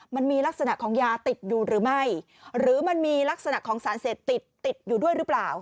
มันมีลักษณะของยาติดอยู่หรือไม่หรือมันมีลักษณะของสารเสพติดติดอยู่ด้วยหรือเปล่า